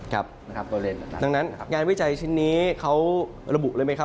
ครับนะครับดังนั้นงานวิจัยชิ้นนี้เขาระบุเลยไหมครับ